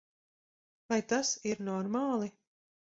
Vai tas ir normāli?